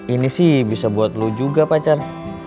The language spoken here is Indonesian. ini sih bisa buat lo juga pacar